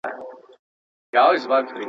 سیروتونین تمرکز ښه کوي.